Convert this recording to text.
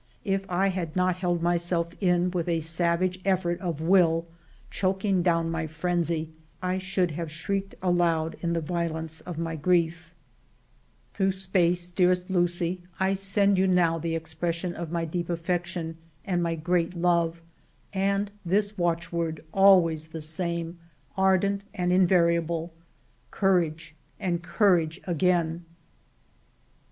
If I had not held myself in with a savage effort of will, choking down my frenzy, I should have shrieked aloud in the violence of my grief. ALFRED DREYFUS 207 Through space, dearest Lucie, I send you now the expression of my deep affection and my great love, and this watchword, always the same, ardent and invariable, — courage, and courage again